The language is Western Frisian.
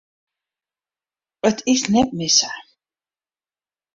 It is net mear sa.